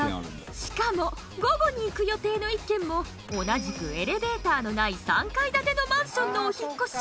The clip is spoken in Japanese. しかも午後に行く予定の一件も同じくエレベーターのない３階建てのマンションのお引っ越し。